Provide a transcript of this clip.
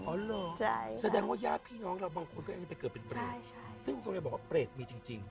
เหรอแสดงว่าญาติพี่น้องเราบางคนก็จะไปเกิดเป็นประโยชน์ซึ่งคุณบอกว่าเปรตมีจริง